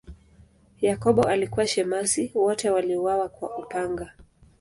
Yakobo alikuwa shemasi, wote waliuawa kwa upanga.